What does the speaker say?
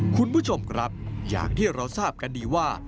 คุณผู้ชมครับอย่างที่เราทราบกันดีว่า